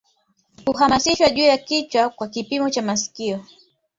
Huhasimiwa juu ya kichwa kwa kipimo cha masikio